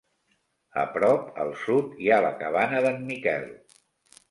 A prop, al sud, hi ha la Cabana d'en Miquel.